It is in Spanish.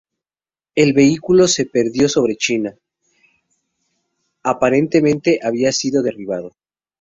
El vehículo se perdió sobre China, aparentemente había sido derribado.